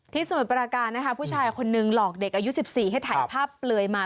สมุทรปราการนะคะผู้ชายคนนึงหลอกเด็กอายุ๑๔ให้ถ่ายภาพเปลือยมา